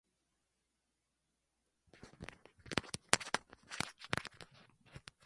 そのあと、僕らは火が収まるまで、ずっと丸太の前で座っていた